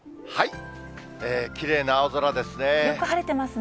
きれいな青空ですね。